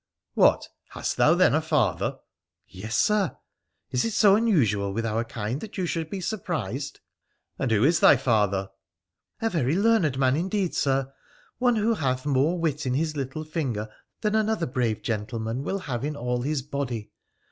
' What ! Hast thou, then, a father ?'' Yes, Sir. Is it so unusual with our kind that you should be surprised ?'' And who is thy father ?'' A very learned man indeed, Sir ; one who hath more wit in his little finger than another brave gentleman will have in all his body.